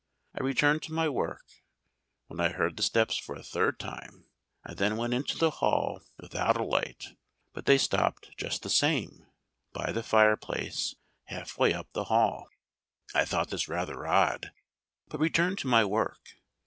I returned to my work, when I heard the steps for a third time. I then went into the hall without a light, but they stopped just the same, by the fireplace, half way up the hall. I thought this rather odd, but returned to my work.